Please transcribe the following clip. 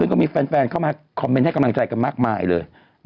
ซึ่งก็มีแฟนเข้ามาคอมเมนต์ให้กำลังใจกันมากมายเลย